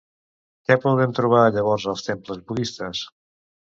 Què podem trobar llavors als temples budistes?